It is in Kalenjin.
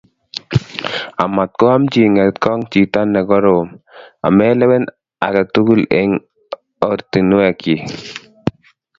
Amat koamjin ng'etkong' chiito ne koroom, amelewen age tugul eng' ortinwekyik.